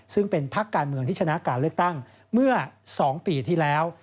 ซึ่งเป็นพักการเมืองที่ชนะการเลือกตั้งเมื่อ๒ปีที่แล้ว